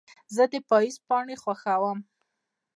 زه د پاییز پاڼې خوښوم.